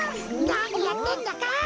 なにやってんだか！